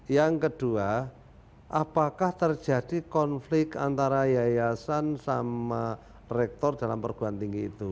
yang kedua apakah terjadi konflik antara yayasan sama rektor dalam perguruan tinggi itu